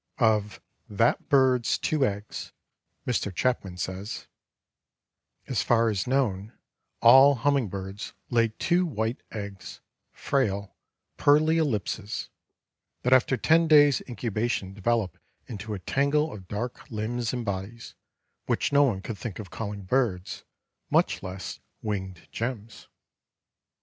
Of "that Bird's two eggs," Mr. Chapman says: "As far as known, all hummingbirds lay two white eggs—frail, pearly ellipses—that after ten days' incubation develop into a tangle of dark limbs and bodies, which no one could think of calling birds, much less winged gems."